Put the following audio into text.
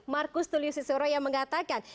marcus tullius cicero yang mengatakan